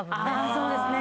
そうですね。